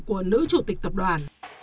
của nữ chủ tịch tập đoàn